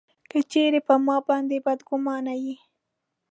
که چېرې پر ما باندي بدګومانه یې.